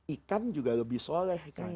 ikan juga lebih soleh